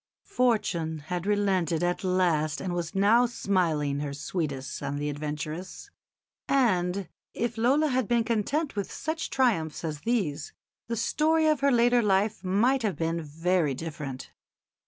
Fortune had relented at last and was now smiling her sweetest on the adventuress; and if Lola had been content with such triumphs as these the story of her later life might have been very different.